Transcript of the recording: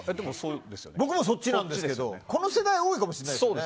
僕もそっちなんですけどこの世代多いのかもですね。